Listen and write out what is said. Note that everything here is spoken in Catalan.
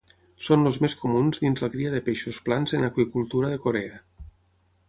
Són els més comuns dins la cria de peixos plans en aqüicultura de Corea.